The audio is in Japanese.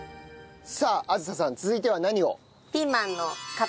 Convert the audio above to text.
さあ梓さん続いては何を？